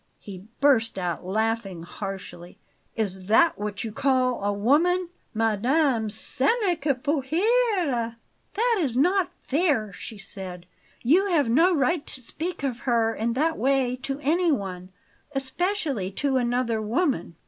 He burst out laughing harshly. "Is THAT what you call a woman? 'Madame, ce n'est que pour rire!'" "That is not fair!" she said. "You have no right to speak of her in that way to anyone especially to another woman!"